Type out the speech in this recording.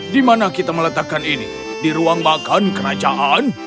di mana kita meletakkan ini di ruang makan kerajaan